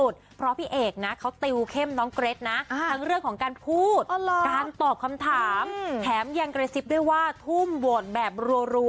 ทั้งเรื่องของการพูดการตอบคำถามแถมยังไกลศิษย์ได้ว่าทุ่มโหวดแบบรัว